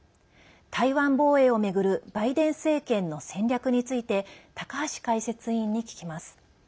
台湾防衛を巡るバイデン政権の戦略について高橋解説委員に聞きます。